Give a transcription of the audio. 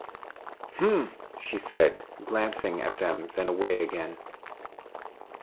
“H’m!” she said, glancing at them, then away again.